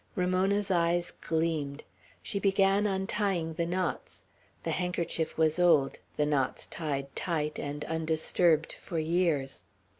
Ramona's eyes gleamed. She began untying the knots. The handkerchief was old, the knots tied tight, and undisturbed for years.